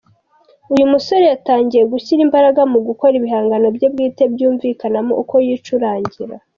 Uyu musore yatangiye gushyira imbaraga mu gukora ibihangano bye bwite byumvikanamo uko yicurangira.